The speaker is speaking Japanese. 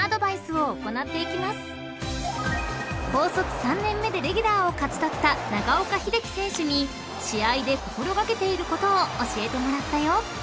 ［高卒３年目でレギュラーを勝ち取った長岡秀樹選手に試合で心掛けていることを教えてもらったよ］